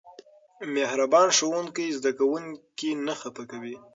مهربان ښوونکی زده کوونکي نه خفه کوي.